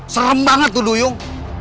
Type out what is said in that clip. serem banget tuh duyung